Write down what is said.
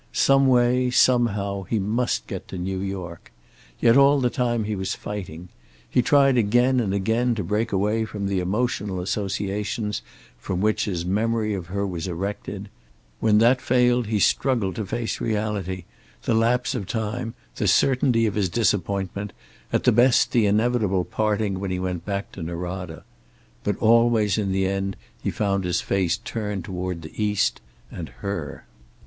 Some way, somehow, he must get to New York. Yet all the time he was fighting. He tried again and again to break away from the emotional associations from which his memory of her was erected; when that failed he struggled to face reality; the lapse of time, the certainty of his disappointment, at the best the inevitable parting when he went back to Norada. But always in the end he found his face turned toward the East, and her.